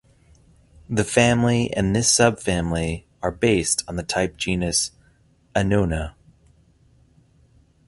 The family and this subfamily are based on the type genus "Annona".